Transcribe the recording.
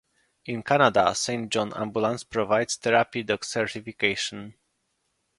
In Canada, Saint John Ambulance provides therapy dog certification.